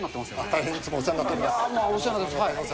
大変いつもお世話になっておお世話になってます。